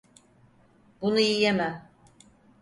Bunu yiyemem.